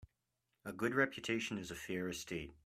A good reputation is a fair estate.